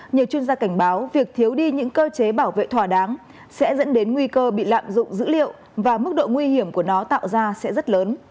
nhiều chuyên gia cảnh báo việc thiếu đi những cơ chế bảo vệ thỏa đáng sẽ dẫn đến nguy cơ bị lạm dụng dữ liệu và mức độ nguy hiểm của nó tạo ra sẽ rất lớn